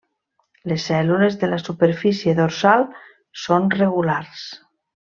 Les cèl·lules de la superfície dorsal són regulars.